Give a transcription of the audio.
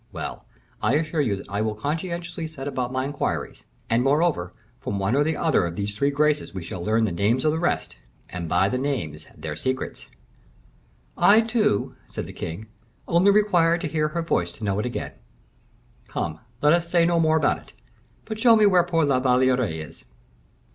Well, I assure you that I will conscientiously set about my inquiries; and, moreover, from one or the other of those Three Graces we shall learn the names of the rest, and by the names their secrets." "I, too," said the king, "only require to hear her voice to know it again. Come, let us say no more about it, but show me where poor La Valliere is."